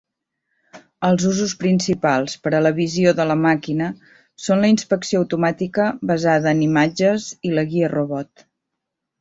Els usos principals per a la visió de la màquina són la inspecció automàtica basada en imatges i la guia robot.